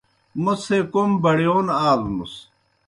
موْ څھے کوْم بَڑِیون آلوْنُس۔